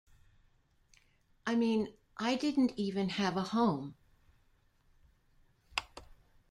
I mean I didn't even have a home.